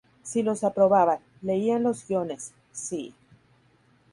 Sí los aprobaban-- leían los guiones, sí.